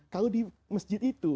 kalau di masjid itu